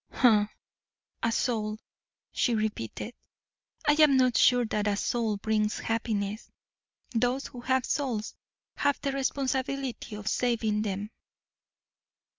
"A soul!" she repeated. "I am not sure that a soul brings happiness; those who have souls have the responsibility of saving them."